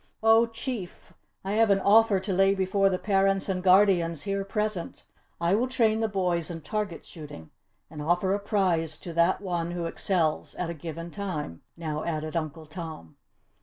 "Oh Chief! I have an offer to lay before the parents and guardians here present. I will train the boys in target shooting and offer a prize to that one who excels at a given time," now added Uncle Tom.